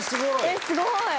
えっすごい！